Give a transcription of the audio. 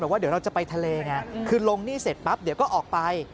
ว่าเดี๋ยวเราจะไปทะเลไงคือลงหนี้เสร็จปั๊บเดี๋ยวก็ออกไป